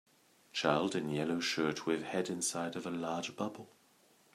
Child in yellow shirt with head inside of a large bubble.